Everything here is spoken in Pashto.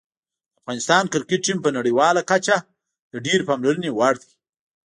د افغانستان کرکټ ټیم په نړیواله کچه د ډېرې پاملرنې وړ دی.